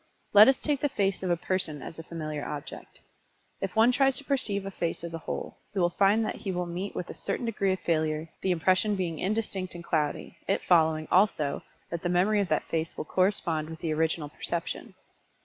Let us take the face of a person as a familiar object. If one tries to perceive a face as a whole, he will find that he will meet with a certain degree of failure, the impression being indistinct and cloudy, it following, also, that the memory of that face will correspond with the original perception.